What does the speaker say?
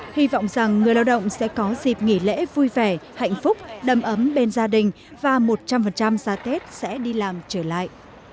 hy vọng rằng người lao động sẽ có dịp nghỉ lễ vui vẻ hạnh phúc đầm ấm bên gia đình và một trăm linh giá tết sẽ đi làm trở lại